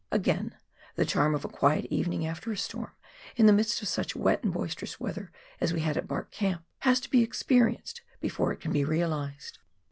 Again, the charm of a quiet evening after a storm, in the midst of such wet and boisterous weather as we had at Bark Camp, has to be experienced before it can be realised.